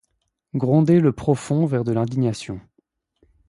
Gronder le profond vers de l'indignation